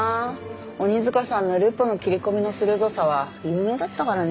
鬼塚さんのルポの斬り込みの鋭さは有名だったからね。